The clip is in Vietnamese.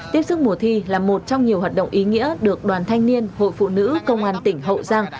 tiếp sức mùa thi là một trong nhiều hoạt động ý nghĩa được đoàn thanh niên hội phụ nữ công an tỉnh hậu giang